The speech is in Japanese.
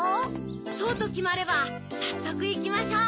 そうときまればさっそくいきましょう！